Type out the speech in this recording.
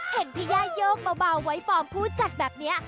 เห็นพี่ย่าโยกเบาไว้ฟอร์มผู้จัดแบบนี้